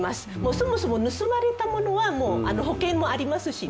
そもそも盗まれたものは保険もありますし。